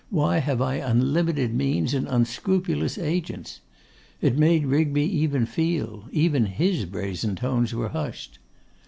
Why have I unlimited means and unscrupulous agents?' It made Rigby even feel; even his brazen tones were hushed.